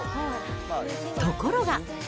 ところが。